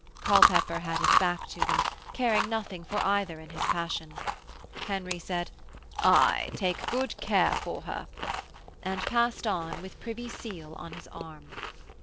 Culpepper had his back to them, caring nothing for either in his passion. Henry said: 'Aye, take good care for her,' and passed on with Privy Seal on his arm.